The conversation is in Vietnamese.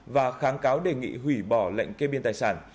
và kháng cáo đề nghị hủy bỏ lệnh kê biên tài sản